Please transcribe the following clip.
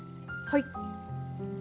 はい！